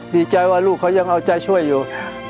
ดีใจว่าลูกเขายังเอาใจช่วยอยู่